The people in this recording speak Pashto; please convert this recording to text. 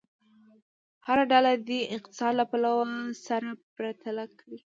هره ډله دې اقتصاد له پلوه سره پرتله کړي.